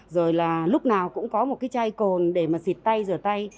rồi là lúc nào cũng có một cái chai cồn để mà xịt tay rửa tay